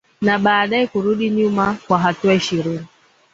na baadaye kurudi nyuma kwa hatua ishirini